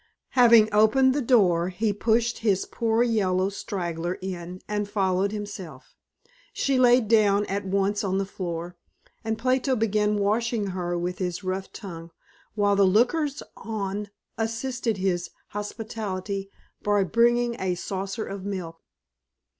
Having opened the door, he pushed his poor yellow straggler in and followed himself. She laid down at once on the floor, and Plato began washing her with his rough tongue, while the lookers on assisted his hospitality by bringing a saucer of milk.